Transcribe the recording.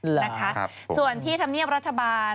หรือครับส่วนที่ทำเงียบรัฐบาล